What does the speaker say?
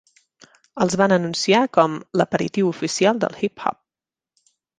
Els van anunciar com "L'aperitiu oficial del hip hop".